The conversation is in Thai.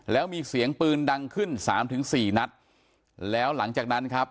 แล้วมีเสียงปืนดังขึ้นสามถึงสี่นัดแล้วหลังจากนั้นครับ